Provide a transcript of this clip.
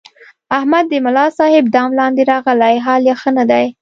احمد د ملاصاحب دم لاندې راغلی، حال یې ښه نه دی.